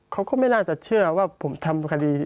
เขาก็ไม่น่าจะเชื่อว่าผมทำคดี